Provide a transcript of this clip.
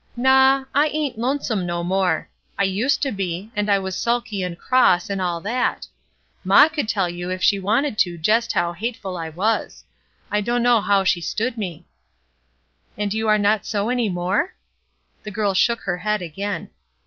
''Naw, I ain't lonesome no more; I used to be, and I was sulky and cross, and all that. Maw could tell you if she wanted to jest how hateful I was; I dunno how she stood me." ''And you are not so any more?" The girl shook her head again.